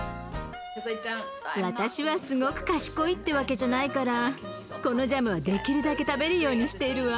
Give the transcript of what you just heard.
私はすごく賢いってわけじゃないからこのジャムはできるだけ食べるようにしているわ。